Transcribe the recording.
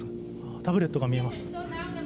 タブレットが見えます。